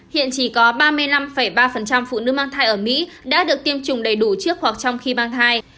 hiện chỉ có ba mươi năm ba phụ nữ mang thai ở mỹ đã được tiêm chủng đầy đủ trước hoặc trong khi mang thai